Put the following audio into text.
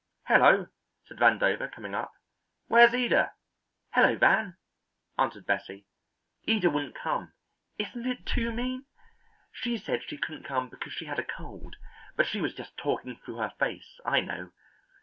"Hello!" said Vandover, coming up. "Where's Ida?" "Hello, Van!" answered Bessie. "Ida wouldn't come. Isn't it too mean? She said she couldn't come because she had a cold, but she was just talking through her face, I know.